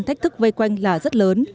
thách thức vây quanh là rất lớn